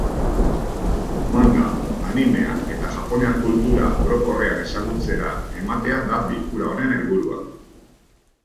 Manga, animea eta japoniar kultura orokorrean ezagutzera ematea da bilkura honen helburua.